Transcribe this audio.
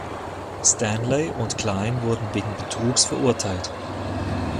Stanley und Kline wurden wegen Betrugs verurteilt.